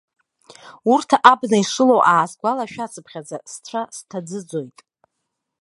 Урҭ абна ишылоу аасгәалашәацыԥхьаӡа, сцәа сҭаӡыӡоит.